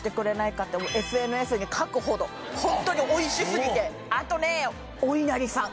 ＳＮＳに書くほどホントにおいしすぎてあとねおいなりさん